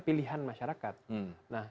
pilihan masyarakat nah